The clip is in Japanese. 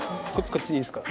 こっちでいいですか？